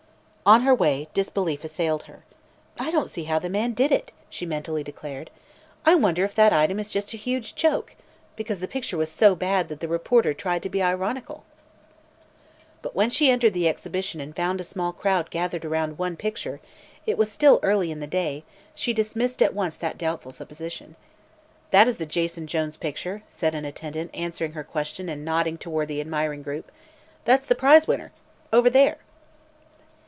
On her way, disbelief assailed her. "I don't see how the man did it!" she mentally declared. "I wonder if that item is just a huge joke, because the picture was so bad that the reporter tried to be ironical." But when she entered the exhibition and found a small crowd gathered around one picture it was still early in the day she dismissed at once that doubtful supposition. "That is the Jason Jones picture," said an attendant, answering her question and nodding toward the admiring group; "that's the prizewinner over there."